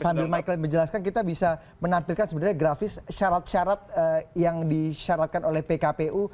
sambil michael menjelaskan kita bisa menampilkan sebenarnya grafis syarat syarat yang disyaratkan oleh pkpu